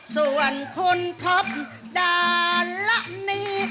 ส่วนคุณทบด้านละนี้